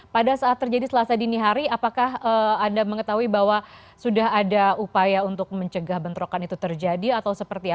pada saat terjadi selasa dini hari apakah anda mengetahui bahwa sudah ada upaya untuk mencegah bentrokan itu terjadi atau seperti apa